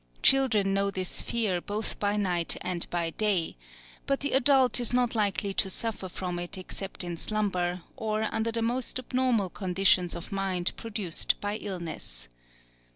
Children know this fear both by night and by day; but the adult is not likely to suffer from it except in slumber, or under the most abnormal conditions of mind produced by illness.